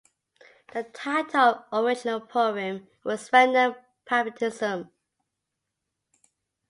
The title of the original poem was Regnum Papisticum.